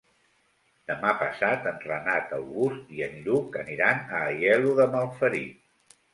Demà passat en Renat August i en Lluc aniran a Aielo de Malferit.